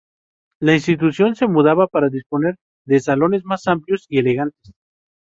La institución se mudaba para disponer de salones más amplios y elegantes.